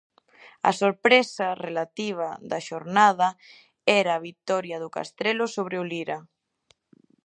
A sorpresa, relativa, da xornada era a vitoria do Castrelo sobre o Lira.